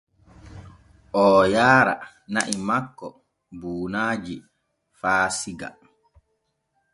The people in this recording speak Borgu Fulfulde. Oo yaara na’i makko buunaaji faa Siga.